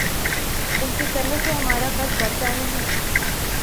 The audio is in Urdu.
ان کے کرنے سے ہمارا قد بڑھتا نہیں۔